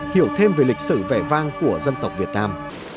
hiểu thêm về lịch sử vẻ vang của dân tộc việt nam